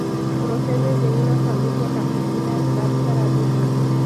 Procede de una familia campesina tártara rusa.